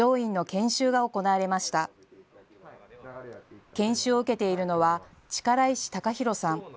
研修を受けているのは力石隆広さん。